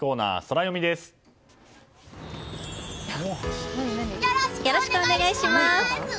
よろしくお願いします！